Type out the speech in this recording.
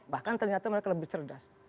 bahkan ternyata mereka lebih cerdas